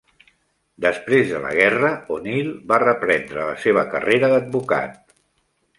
Després de la guerra, O'Neal va reprendre la seva carrera d'advocat.